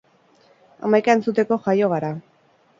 Hamaika entzuteko jaio gara!